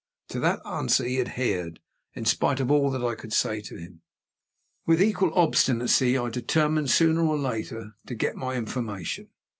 To that answer he adhered, in spite of all that I could say to him. With equal obstinacy I determined, sooner or later, to get my information.